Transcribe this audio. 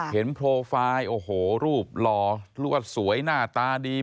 เห็นโปรไฟล์โอ้โหรูปหล่อรู้สึกว่าสวยหน้าตาดี